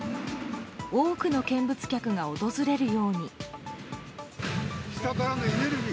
多くの見物客が訪れるように。